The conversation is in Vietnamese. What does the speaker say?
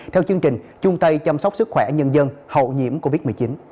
theo chương trình trung tây chăm sóc sức khỏe nhân dân hậu nhiễm covid một mươi chín